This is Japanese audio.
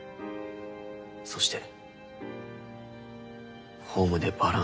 そしてホームでバランスを崩して。